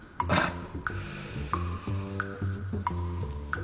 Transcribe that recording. あっ！